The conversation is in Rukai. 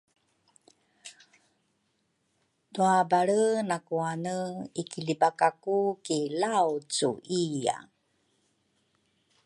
twabelre nakuane ikilibakaku ki Laucu iya.